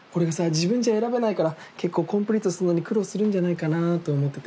自分じゃ選べないから結構コンプリートするのに苦労するんじゃないかなと思ってて。